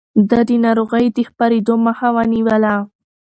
ده د ناروغيو د خپرېدو مخه ونيوله.